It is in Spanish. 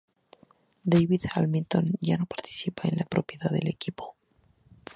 Davey Hamilton ya no participa en la propiedad del equipo.